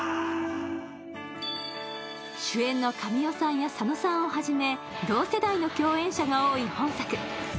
主演の神尾さんや佐野さんをはじめ同世代の共演者が多い今作。